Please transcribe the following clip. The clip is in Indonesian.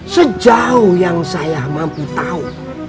sejauh yang saya mampu tahu